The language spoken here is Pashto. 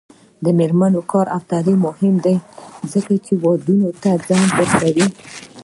د میرمنو کار او تعلیم مهم دی ځکه چې ودونو ته ځنډ ورکوي.